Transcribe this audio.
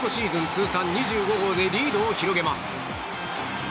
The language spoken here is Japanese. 通算２５号でリードを広げます。